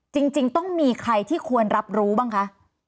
จริงต้องมีใครที่ควรรับรู้บ้างคะ